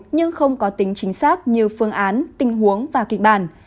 nhưng không có tính chính xác như phương án tình huống và kịch bản